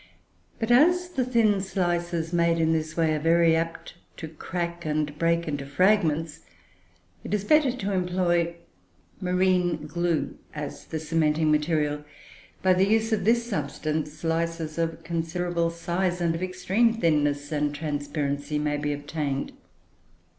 But as the thin slices, made in this way, are very apt to crack and break into fragments, it is better to employ marine glue as the cementing material. By the use of this substance, slices of considerable size and of extreme thinness and transparency may be obtained.